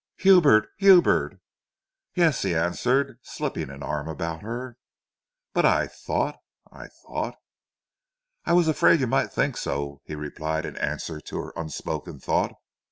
"Hubert! Hubert!" "Yes!" he answered, slipping an arm about her. "But I thought I thought " "I was afraid you might think so," he replied in answer to her unspoken thought.